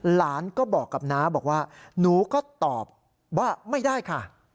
หลานก็บอกกับน้าบอกว่าหนูก็ตอบว่าไม่ได้ค่ะ